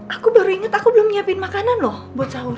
aku baru inget aku belum nyiapin makanan loh buat sahur